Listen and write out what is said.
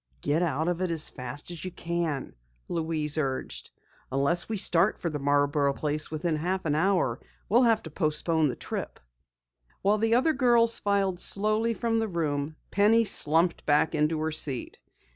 "Get out of it as fast as you can," Louise urged. "Unless we start for the Marborough place within half an hour we'll have to postpone the trip." While the other pupils filed slowly from the room, Penny slumped back into her seat.